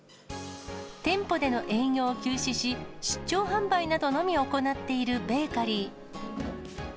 店舗での営業を休止し、出張販売などのみを行っているベーカリー。